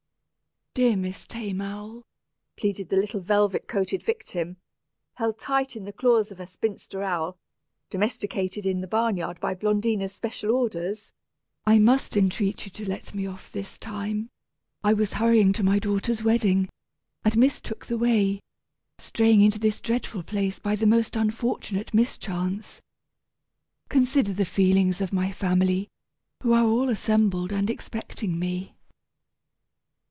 "Dear Miss Tame Owl," pleaded the little velvet coated victim, held tight in the claws of a spinster owl, domesticated in the barn yard by Blondina's special orders, "I must entreat you to let me off this time; I was hurrying to my daughter's wedding, and mistook the way, straying into this dreadful place by the most unfortunate mischance. Consider the feelings of my family, who are all assembled and expecting me."